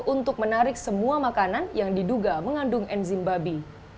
untuk menarik semua makanan yang diduga mengandung enzim babi